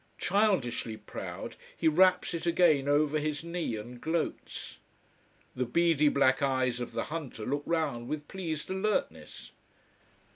Childishly proud he wraps it again over his knee, and gloats. The beady black eyes of the hunter look round with pleased alertness.